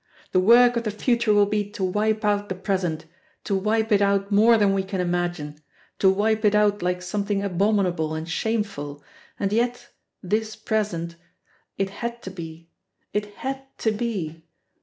The work of the future will be to wipe out the present, to wipe it out more than we can imagine, to wipe it out like something abominable and shameful. And yet this present it had to be, it had to be!